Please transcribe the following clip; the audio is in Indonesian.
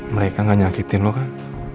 mereka gak nyangkitin lo kan